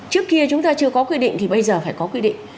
trước kia chúng ta chưa có quy định thì bây giờ phải có quy định